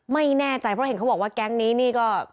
ไม่แน่ใจเพราะเห็นเขาบอกว่าแก๊งนี้นี่ก็